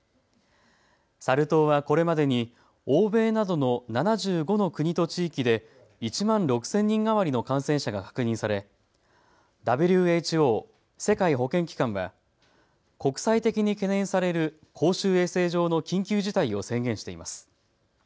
サル痘はこれまでに欧米などの７５の国と地域で１万６０００人余りの感染者が確認されＷＨＯ・世界保健機関は国際的に懸念される公衆衛生上の緊急事態を宣言しています。